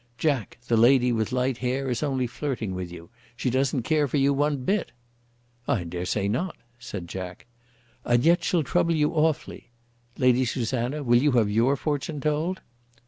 "Jack, the lady with light hair is only flirting with you. She doesn't care for you one bit." "I daresay not," said Jack. "And yet she'll trouble you awfully. Lady Susanna, will you have your fortune told?"